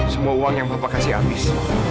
semua uang yang bapak kasih habis